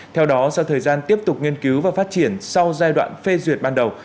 theo đó sau thời gian tiếp tục nghiên cứu và phát triển sau giai đoạn phê duyệt ban đầu